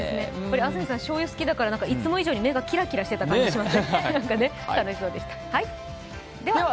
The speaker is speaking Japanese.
安住さん、しょうゆ好きだから、いつも以上に目がキラキラしていた感じしましたね。